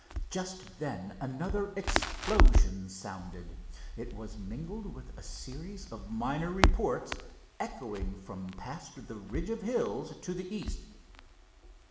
Just then another explosion sounded. It was mingled with a series of minor reports, echoing from past the ridge of hills to the East.